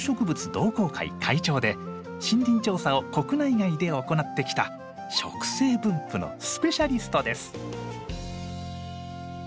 同好会会長で森林調査を国内外で行ってきた植生分布のスペシャリストです。